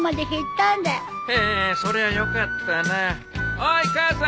おい母さん！